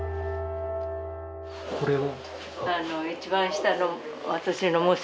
これは？